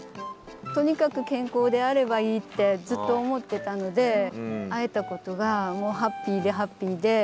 とにかく健康であればいいってずっと思ってたので会えたことがもうハッピーでハッピーで。